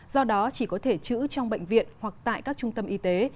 do đó chỉ có thể chữ trong bệnh viện hoặc tại các trung tâm y tế